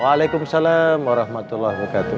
waalaikumsalam warahmatullah wabarakatuh